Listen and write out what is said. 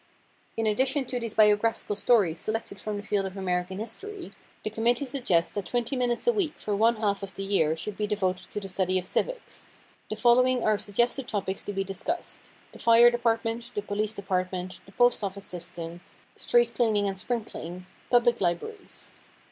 In addition to these biographical stories selected from the field of American history, the committee suggests that twenty minutes a week for one half of the year should be devoted to the study of civics. The following are suggested topics to be discussed: "The Fire Department," "The Police Department," "The Post office System," "Street Cleaning and Sprinkling," "Public Libraries."